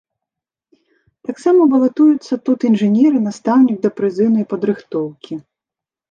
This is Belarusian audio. Таксама балатуюцца тут інжынер і настаўнік дапрызыўнай падрыхтоўкі.